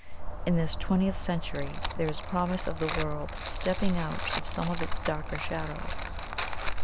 In this twentieth century there is promise of the world stepping out of some of its darker shadows.